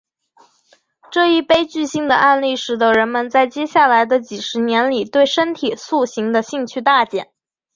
这一悲剧性的案例使得人们在接下来的几十年里对身体塑形的兴趣大减。